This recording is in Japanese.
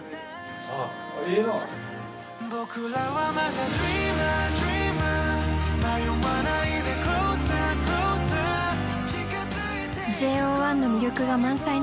ＪＯ１の魅力が満載の６０分。